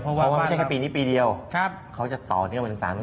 เพราะว่าไม่ใช่แค่ปีนี้ปีเดียวเขาจะต่อเนื่องไปถึง๓๐